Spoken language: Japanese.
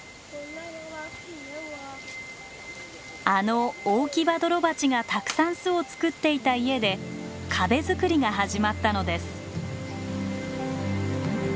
あのオオキバドロバチがたくさん巣を作っていた家で壁作りが始まったのです。